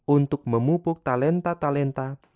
untuk memupuk talenta talenta